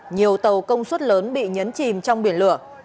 nhiều tàu công suất lớn bị nhấn chìm trong biển lửa